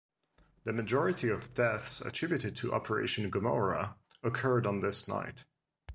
The majority of deaths attributed to Operation Gomorrah occurred on this night.